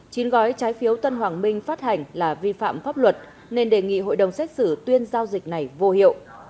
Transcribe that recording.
chín gói trái phiếu tân hoàng minh phát hành là vi phạm pháp luật nên đề nghị hội đồng xét xử tuyên giao dịch này vô hiệu